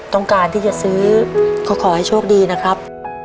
ต้องการที่จะซื้อก็ขอให้โชคดีนะครับ